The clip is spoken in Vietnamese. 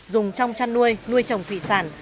dùng trong chăn nuôi nuôi trồng thủy sản